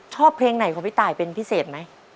ชอบเพลงไหนของพี่ตายเป็นพิเศษไหม